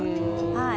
はい。